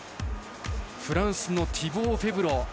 フランスのティボー・フェブロ。